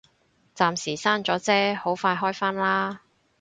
暫時閂咗啫，好快開返啦